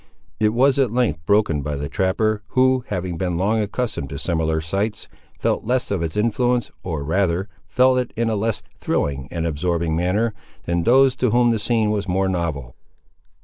It was at length broken by the trapper, who, having been long accustomed to similar sights, felt less of its influence, or, rather, felt it in a less thrilling and absorbing manner, than those to whom the scene was more novel.